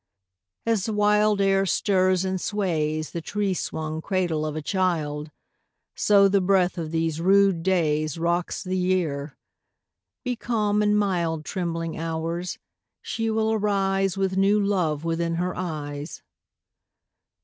3. As the wild air stirs and sways The tree swung cradle of a child, So the breath of these rude days _15 Rocks the Year: be calm and mild, Trembling Hours, she will arise With new love within her eyes.